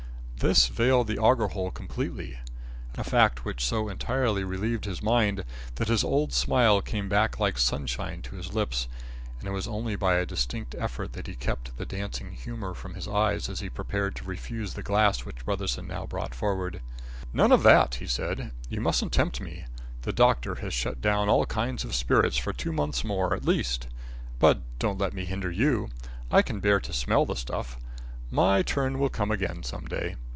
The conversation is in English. This veiled the auger hole completely; a fact which so entirely relieved his mind that his old smile came back like sunshine to his lips, and it was only by a distinct effort that he kept the dancing humour from his eyes as he prepared to refuse the glass which Brotherson now brought forward: "None of that!" said he. "You mustn't tempt me. The doctor has shut down on all kinds of spirits for two months more, at least. But don't let me hinder you. I can bear to smell the stuff. My turn will come again some day."